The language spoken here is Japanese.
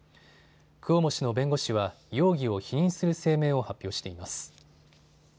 クオモ氏の弁護士は容疑を否認する声明を発表しています。